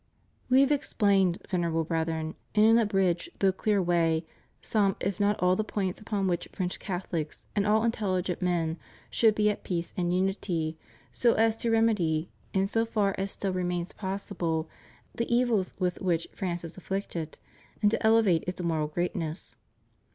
We have explained. Venerable Brethren, in an abridged though clear way, some if not all the points upon which French Cathohcs and all intelligent men should be at peace and unity, so as to remedy, in so far as still remains possible, the evils with which France is afflicted, and to elevate its moral greatness.